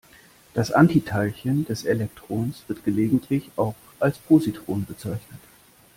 Das Antiteilchen des Elektrons wird gelegentlich auch als Positron bezeichnet.